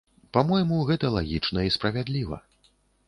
Па-мойму, гэта лагічна і справядліва.